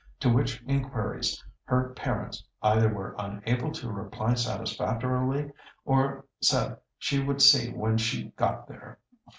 To which inquiries her parents either were unable to reply satisfactorily or said she would see when she got there.